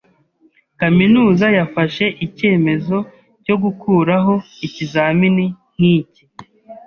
Kaminuza yafashe icyemezo cyo gukuraho ikizamini nkiki.